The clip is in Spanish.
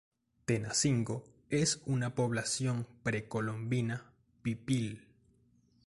Tenancingo es una población precolombina pipil.